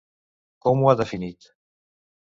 Com ho ha definit?